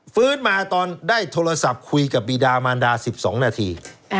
ฟื้นมาตอนได้โทรศัพท์คุยกับบีดามารดา๑๒นาที